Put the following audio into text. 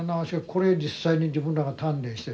これ実際に自分らが鍛錬してですな